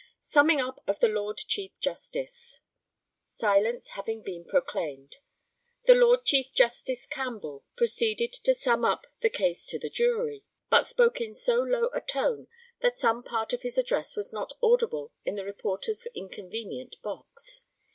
SUMMING UP OF THE LORD CHIEF JUSTICE. Silence having been proclaimed, The LORD CHIEF JUSTICE (CAMPBELL) proceeded to sum up the case to the jury; but spoke in so low a tone that some part of his address was not audible in the reporters' inconvenient box.